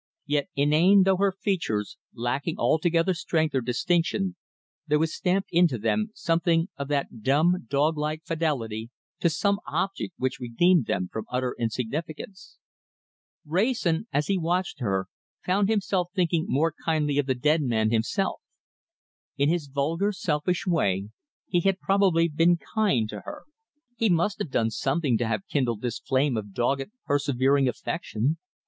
Yet inane though her features, lacking altogether strength or distinction, there was stamped into them something of that dumb, dog like fidelity to some object which redeemed them from utter insignificance. Wrayson, as he watched her, found himself thinking more kindly of the dead man himself. In his vulgar, selfish way, he had probably been kind to her: he must have done something to have kindled this flame of dogged, persevering affection.